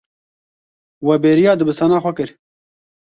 We bêriya dibistana xwe kir.